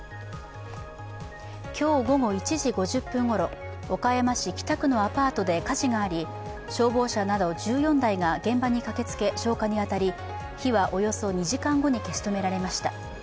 今日午後１時５０分ごろ、岡山市北区のアパートで火事があり、消防車など１４台が現場に駆けつけ消火に当たり火はおよそ２時間後に消し止められました。